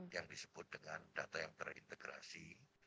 yang disebut dengan data yang terintegrasi